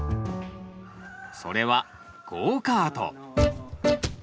それはゴーカート。